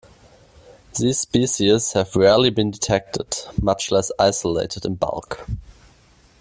These species have rarely been detected, much less isolated in bulk.